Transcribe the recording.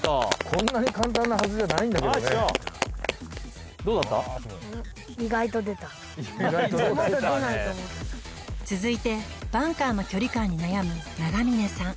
こんなに簡単なはずじゃないんだけどねもっと出ないと思った続いてバンカーの距離感に悩む長峰さん